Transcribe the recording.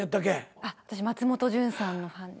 私松本潤さんのファンで。